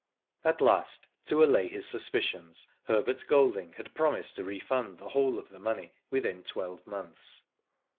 At last, to allay his suspicions, Herbert Golding had promised to refund the whole of the money within twelve months.